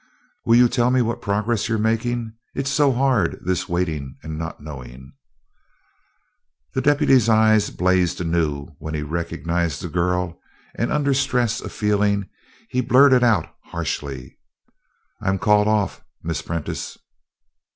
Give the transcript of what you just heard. "Will you tell me what progress you're making? It's so hard, this waiting and not knowing." The deputy's eyes blazed anew when he recognized the girl, and under stress of feeling he blurted out harshly: "I'm called off, Miss Prentice!"